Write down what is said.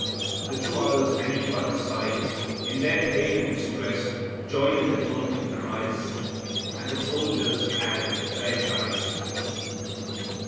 The two others hanging by His side, in their pain and distress, join in the taunting cries, and the soldiers add their jibes.